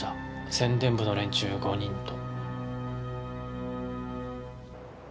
宣伝部の連中５人と。